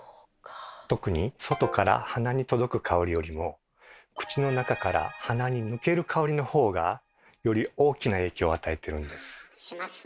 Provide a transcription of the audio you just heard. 特に「外から鼻に届く香り」よりも「口の中から鼻に抜ける香り」のほうがより大きな影響を与えているんです。